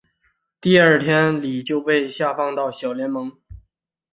第二天李就被下放到小联盟。